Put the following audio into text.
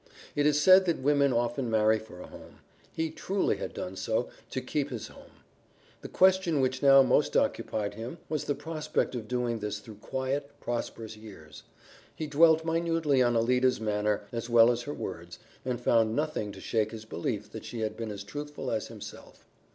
It is said that women often marry for a home; he truly had done so to keep his home. The question which now most occupied him was the prospect of doing this through quiet, prosperous years. He dwelt minutely on Alida's manner, as well as her words, and found nothing to shake his belief that she had been as truthful as himself.